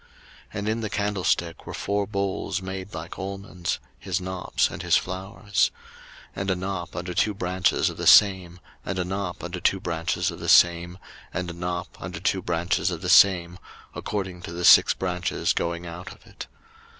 02:037:020 And in the candlestick were four bowls made like almonds, his knops, and his flowers: 02:037:021 And a knop under two branches of the same, and a knop under two branches of the same, and a knop under two branches of the same, according to the six branches going out of it.